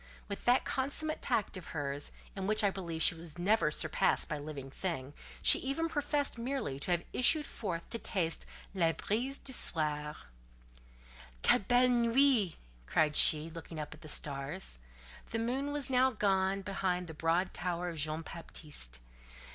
With that consummate tact of hers, in which I believe she was never surpassed by living thing, she even professed merely to have issued forth to taste "la brise du soir." "Quelle belle nuit!" cried she, looking up at the stars—the moon was now gone down behind the broad tower of Jean Baptiste.